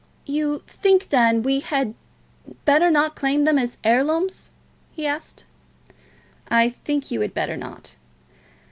"You think, then, we had better not claim them as heirlooms?" he asked. "I think you had better not."